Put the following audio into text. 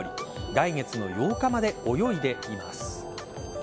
来月の８日まで泳いでいます。